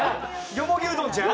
よもぎうどんちゃん。